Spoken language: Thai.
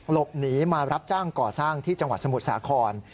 หลบหนีมารับจ้างก่อสร้างที่จังหวัดสมุทรสาคร